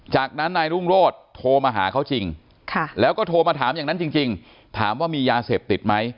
จากนั้นนายรุ่งโรธโทรมาหาเขาจริงแล้วก็โทรมาถามอย่างนั้นจริงถามว่ามียาเสพติดไหม